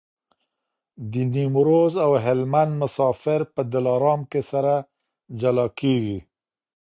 د نیمروز او هلمند مسافر په دلارام کي سره جلا کېږي.